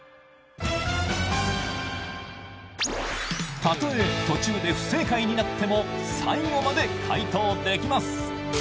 たとえ途中で不正解になっても、最後まで解答できます。